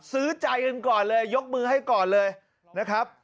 ซื้อใจกันก่อนเลยยกมือให้ก่อนเลยนะครับ